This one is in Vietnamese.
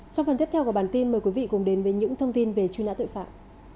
sau phần tiếp theo của bản tin mời quý vị cùng đến với những thông tin về truy nã tội phạm